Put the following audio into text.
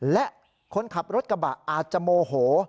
และคนขับรถกระบะอาจจะโมโห